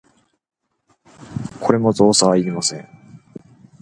これも造作はいりません。